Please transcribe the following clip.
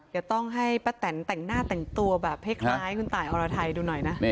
เดี๋ยวต้องให้ป้าแตนแต่งหน้าแต่งตัวแบบคล้ายคุณตายอรไทยดูหน่อยนะ